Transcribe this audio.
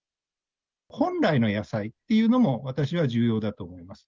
本来の野菜っていうのも、私は重要だと思います。